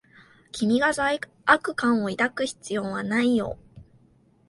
君が罪悪感を抱く必要はないよ。